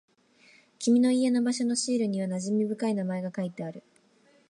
君の家の場所のシールには馴染み深い名前が書いてある。